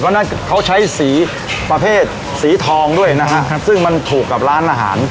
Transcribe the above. เพราะฉะนั้นเขาใช้สีประเภทสีทองด้วยนะฮะซึ่งมันถูกกับร้านอาหาร